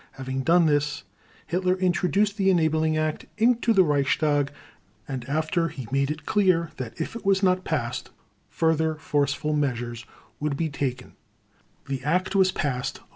Having done this, Hitler introduced the "Enabling Act" into the Reichstag, and after he had made it clear that if it was not passed, further forceful measures would be taken, the act was passed on 24 March 1933.